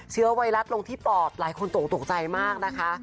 เชื้อไวรัสลงที่ปอดหลายคนตกตกใจมากนะคะ